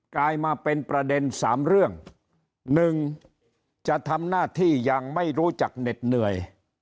กลายมาเป็นประเด็นสามเรื่องหนึ่งจะทำหน้าที่อย่างไม่รู้จักเหน็ดเหนื่อย